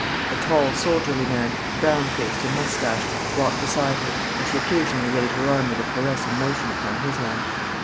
A tall, soldierly man, brown faced and moustached, walked beside her, and she occasionally laid her hand with a caressing motion upon his arm.